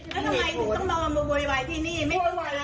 กลับมาถามว่าใครเป็นคนฟังหมู่กระทะ